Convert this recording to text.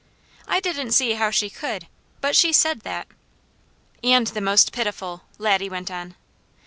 I didn't see how she could; but she said that. " and the most pitiful," Laddie went on.